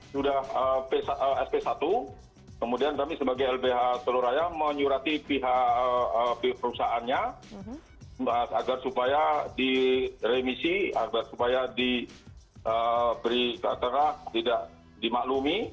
sudah sp satu kemudian kami sebagai lbh teluraya menyurati pihak perusahaannya agar supaya diremisi supaya diberi keterak tidak dimaklumi